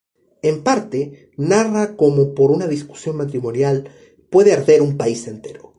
En parte, narra cómo por una discusión matrimonial, puede arder un país entero.